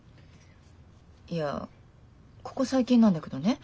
いやここ最近なんだけどね